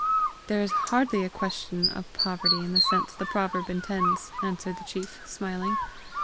"There is hardly a question of poverty in the sense the proverb intends!" answered the chief smiling.